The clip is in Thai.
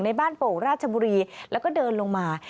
บ้านโป่งราชบุรีแล้วก็เดินลงมา